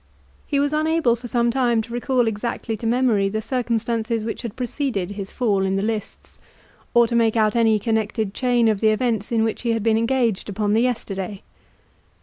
He was unable for some time to recall exactly to memory the circumstances which had preceded his fall in the lists, or to make out any connected chain of the events in which he had been engaged upon the yesterday.